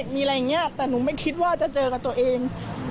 ไม่หละไม่มีค่ะคือไม่อยากจะเอาไปไหนเล่าด้วย